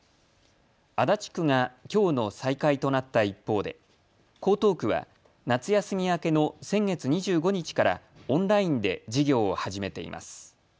足立区がきょうの再開となった一方で江東区は夏休み明けの先月２５日からオンラインで授業を始めています。